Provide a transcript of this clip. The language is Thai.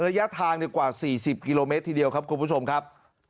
ระยะทางกว่า๔๐กิโลเมตรทีเดียวครับคุณผู้ชมครับ